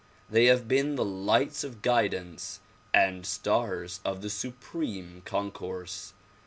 They have been the lights of guidance and stars of the Supreme Concourse.